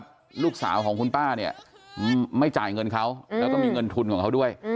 ลูกสาวของคุณป้าเนี่ยไม่จ่ายเงินเขาแล้วก็มีเงินทุนของเขาด้วย